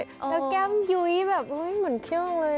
แล้วแก้มยุ้ยแบบเหมือนเครื่องอะไร